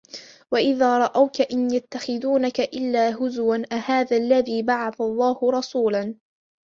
وَإِذَا رَأَوْكَ إِنْ يَتَّخِذُونَكَ إِلَّا هُزُوًا أَهَذَا الَّذِي بَعَثَ اللَّهُ رَسُولًا